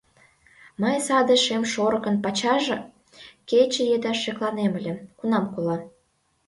Мый саде шем шорыкын пачажым кече еда шекланем ыле: кунам кола.